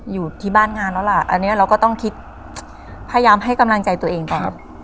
อยู่ที่บ้านงานแล้วล่ะอันนี้เราก็ต้องคิดพยายามให้กำลังใจตัวเองก่อน